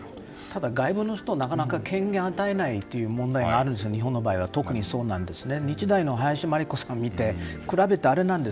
外部の人は、なかなか権限を与えないという問題があるんですよ、日本の場合は特にそうなんですね。